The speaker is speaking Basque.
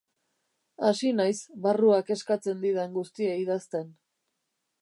Hasi naiz barruak eskatzen didan guztia idazten.